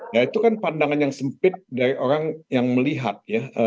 ya itu kan pandangan yang sempit dari orang yang melihat ya